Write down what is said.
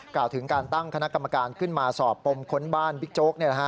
กล่าวถึงการตั้งคณะกรรมการขึ้นมาสอบปมค้นบ้านบิ๊กโจ๊ก